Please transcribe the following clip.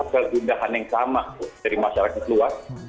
kegundahan yang sama dari masyarakat luas